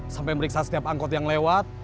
sampai meriksa setiap angkot yang lewat